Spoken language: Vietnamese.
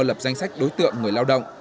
lập danh sách đối tượng người lao động